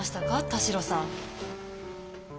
田代さん。